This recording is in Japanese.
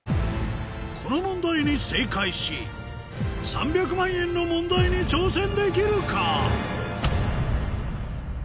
この問題に正解し３００万円の問題に挑戦できるか？